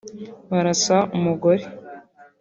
barasa umugore